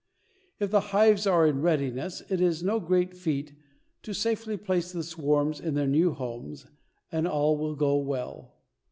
If the hives are in readiness it is no great feat to safely place the swarms in their new homes and all will go well.